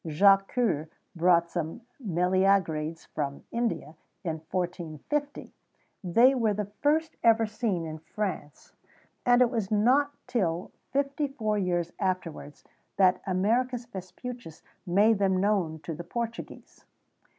[XVII 110] Jacques Cœur brought some meleagrides from India, in 1450; they were the first ever seen in France, and it was not till fifty four years afterwards that Americus Vespucius made them known to the Portuguese.